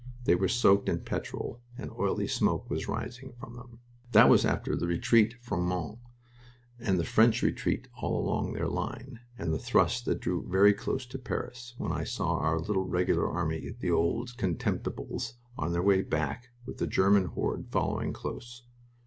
They were soaked in petrol and oily smoke was rising from them.... That was after the retreat from Mons, and the French retreat along all their line, and the thrust that drew very close to Paris, when I saw our little Regular Army, the "Old Contemptibles," on their way back, with the German hordes following close.